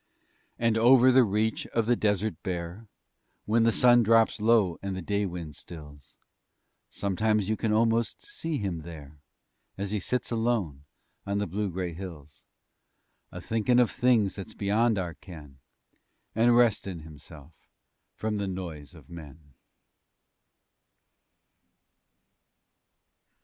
And over the reach of the desert bare, When the sun drops low and the day wind stills, Sometimes you kin almost see Him there, As He sits alone on the blue gray hills, A thinkin' of things that's beyond our ken And restin' Himself from the noise of men.